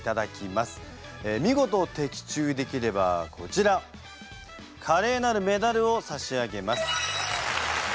見事的中できればこちらカレーなるメダルを差し上げます。